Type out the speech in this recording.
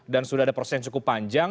dan sudah ada persen cukupan